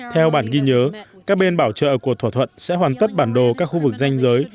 theo bản ghi nhớ các bên bảo trợ của thỏa thuận sẽ hoàn tất bản đồ các khu vực danh giới